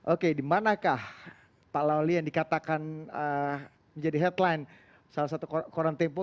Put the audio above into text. oke dimanakah pak lawli yang dikatakan menjadi headline salah satu koran tempo